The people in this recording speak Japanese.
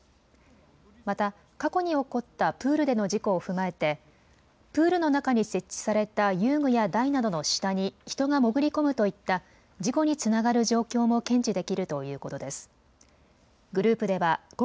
また過去に起こったプールでの事故を踏まえてプールの中に設置された遊具や台などの下に人が潜り込むといった事故につながる状況も検知できるということです。